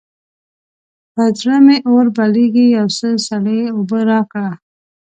پر زړه مې اور بلېږي؛ يو څه سړې اوبه راکړه.